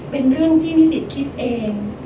เป็นเรื่องที่นิสิตคิดเอง